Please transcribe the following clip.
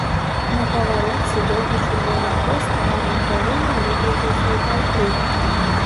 На паваротцы доўгі чырвоны хвост таварных вагонаў выкруціўся ў паўкруг.